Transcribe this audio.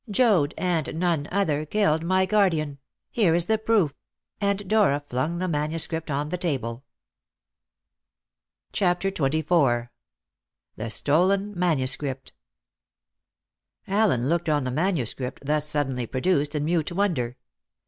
Joad, and none other, killed my guardian! Here is the proof!" and Dora flung the manuscript on the table. CHAPTER XXIV. THE STOLEN MANUSCRIPT. Allen looked on the manuscript thus suddenly produced in mute wonder.